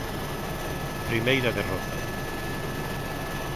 Primeira derrota.